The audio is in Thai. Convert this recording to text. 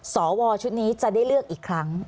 สวชุดนี้จะได้เลือกอีกครั้ง